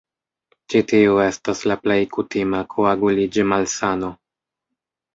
Ĉi tiu estas la plej kutima koaguliĝ-malsano.